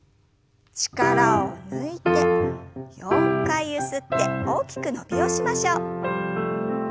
力を抜いて４回ゆすって大きく伸びをしましょう。